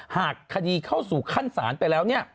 หากคดีเข้าสู่ขั้นศาลไปแล้วเนี่ย